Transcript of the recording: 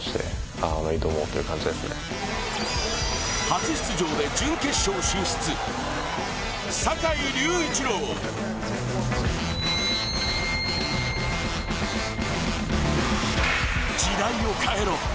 初出場で準決勝進出、坂井隆一郎時代を変えろ。